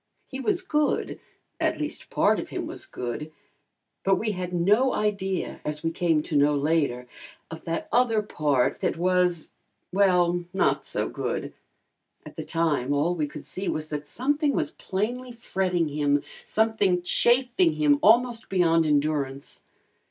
He was good at least, part of him was good; but we had no idea, as we came to know later, of that other part that was, well not so good. At the time all we could see was that something was plainly fretting him, something chafing him almost beyond endurance.